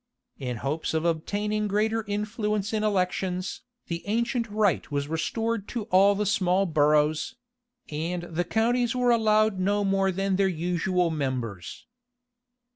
In hopes of obtaining greater influence in elections, the ancient right was restored to all the small boroughs; and the counties were allowed no more than their usual members.